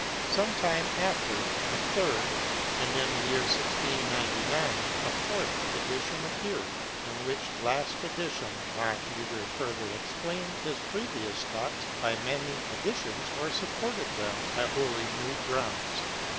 Some time after, a third, and in the year 1699, a fourth, edition appeared, in which last edition Locke either further explained his previous thoughts by many additions or supported them by wholly new grounds.